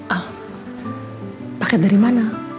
al paket dari mana